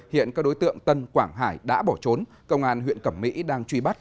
hiện các đối tượng tân quảng hải đã bỏ trốn công an huyện cẩm mỹ đang truy bắt